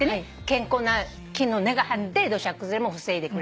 健康な木の根が張って土砂崩れも防いでくれる。